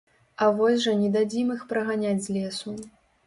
А вось жа не дадзім іх праганяць з лесу.